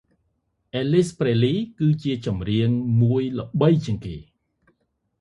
អេលវីស ប្រេសលី គឺអ្នកចម្រៀងមួយល្បីជាងគេ។